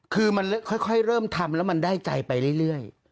คือมันค่อยเริ่มทำแล้วมันได้ใจไปเรื่อย